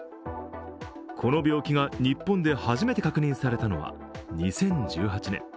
この病気が日本で初めて確認されたのは２０１８年。